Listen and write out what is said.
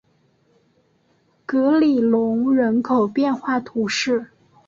格里隆人口变化图示